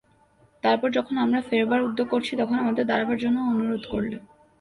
তারপর যখন আমরা ফেরবার উদ্যোগ করছি, তখন আমাদের দাঁড়াবার জন্য অনুরোধ করলে।